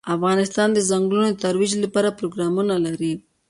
افغانستان د ځنګلونه د ترویج لپاره پروګرامونه لري.